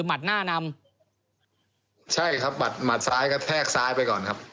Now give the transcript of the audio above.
หัดหน้านำใช่ครับหัดหมัดซ้ายครับแทรกซ้ายไปก่อนครับ